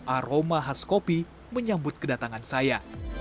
aroma khas kopi menyambut kedatangan saya